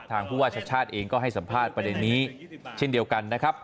ผู้ว่าชาติชาติเองก็ให้สัมภาษณ์ประเด็นนี้เช่นเดียวกันนะครับ